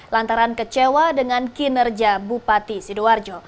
lantaran kecewa dengan kinerja bupati sidoarjo